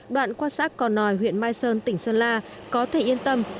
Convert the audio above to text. đoạn quan sát còn nòi huyện mai sơn tỉnh sơn la có thể yên tâm